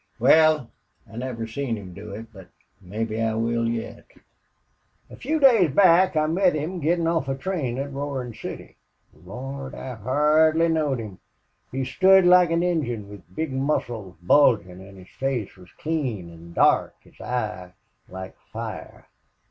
Wal, I never seen him do it, but mebbe I will yet. "A few days back I met him gettin' off a train at Roarin' City. Lord! I hardly knowed him! He stood like an Injun, with the big muscles bulgin', an' his face was clean an' dark, his eye like fire....